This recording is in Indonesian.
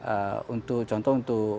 waktu itu kebetulan untuk contoh untuk permajaan